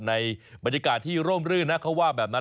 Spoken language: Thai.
ในบริการที่โล่มรื่นครับเขาว่าแบบนั้น